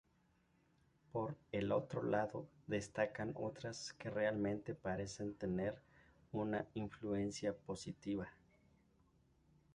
Por el otro lado destacan otras que realmente parecen tener una influencia positiva.